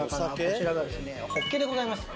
こちらがホッケでございます。